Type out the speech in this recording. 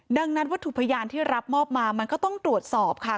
ดังนั้นวัตถุพยานที่รับมอบมามันก็ต้องตรวจสอบค่ะ